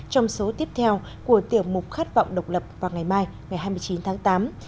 trong số tiếp theo của tiểu mục khát vọng độc lập vào ngày mai ngày hai mươi chín tháng tám